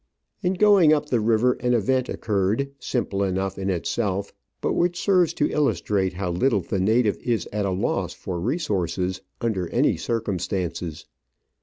In going up the river an event occurred, simple enough in itself, but which serves to illustrate how little the native is at a loss for resources under any circumstances.